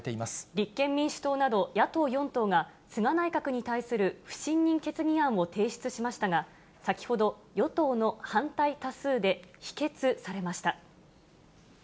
立憲民主党など野党４党が、菅内閣に対する不信任決議案を提出しましたが、先ほど、与党の反対多数で否決されました。